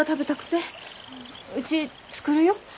うち作るよ。